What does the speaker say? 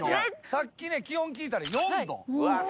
さっき気温聞いたら４℃。